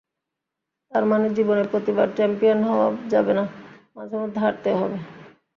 তার মানে জীবনে প্রতিবার চ্যাম্পিয়ন হওয়া যাবে না, মাঝেমধ্যে হারতেও হবে।